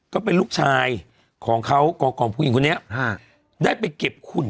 ก็เป็นลูกชายของเขาก่อนผู้หญิงคนนี้ได้ไปเก็บหุ่น